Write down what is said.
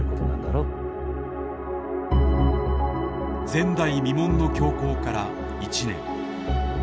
前代未聞の凶行から１年。